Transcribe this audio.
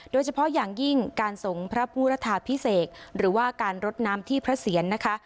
โดยเฉพาะอย่างยิ่งการส่งพระผู้รัฐาพิเศษหรือว่าการรดน้ำที่พระเสียรนะคะ